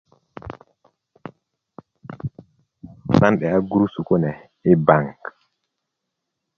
nan 'de'ya gurusu kune yi baŋ